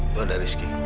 tuhan dari rizky